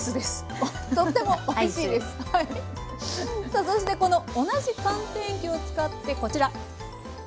さあそしてこの同じ寒天液を使ってこちら！